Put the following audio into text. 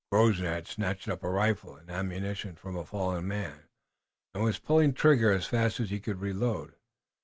Grosvenor had snatched up a rifle and ammunition from a fallen man, and was pulling trigger as fast as he could reload.